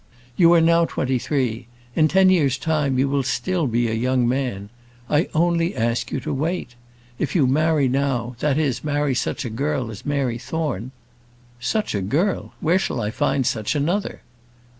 You are now twenty three. In ten years' time you will still be a young man. I only ask you to wait. If you marry now, that is, marry such a girl as Mary Thorne " "Such a girl! Where shall I find such another?"